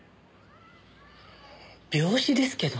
病死ですけど。